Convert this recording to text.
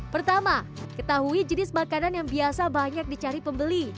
pertama ketahui jenis makanan yang biasa banyak dicari pembeli